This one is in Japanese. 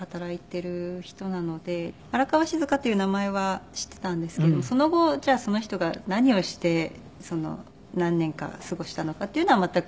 荒川静香という名前は知っていたんですけどその後じゃあその人が何をして何年か過ごしたのかというのは全く知らずに。